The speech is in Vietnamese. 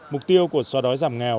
mục tiêu của xóa đói giảm nghèo